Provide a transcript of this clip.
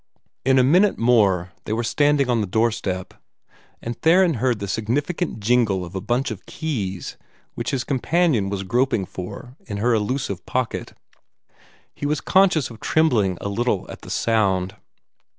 In a minute more they were standing on the doorstep, and Theron heard the significant jingle of a bunch of keys which his companion was groping for in her elusive pocket. He was conscious of trembling a little at the sound.